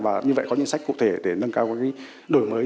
và như vậy có những sách cụ thể để nâng cao đổi mới